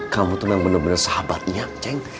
kamu tuh yang bener bener sahabatnya ceng